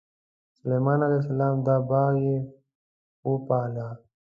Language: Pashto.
سلیمان علیه السلام دا باغ یې وپاله.